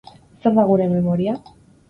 Zer da gure memoria?